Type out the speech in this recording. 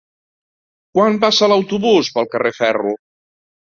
Quan passa l'autobús pel carrer Ferro?